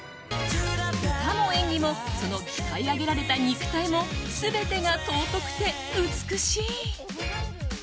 歌も演技もその鍛え上げられた肉体も全てが尊くて美しい。